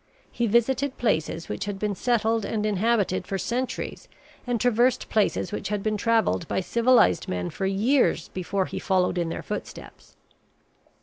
He visited places which had been settled and inhabited for centuries and traversed places which had been travelled by civilized men for years before he followed in their footsteps.